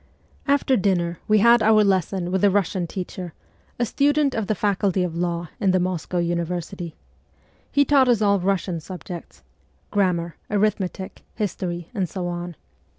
After dinner we had our lesson with the Eussian teacher, a student of the faculty of law in the Moscow University. He taught us all ' Russian ' subjects grammar, arithmetic, history, and so on.